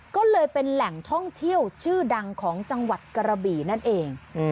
ก็เลยเป็นแหล่งท่องเที่ยวชื่อดังของจังหวัดกระบี่นั่นเอง